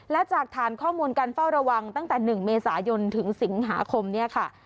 และจากฐานข้อมูลการเฝ้าระวังตั้งแต่๑เมษายนถึงสิงหาคมเนี่ยค่ะ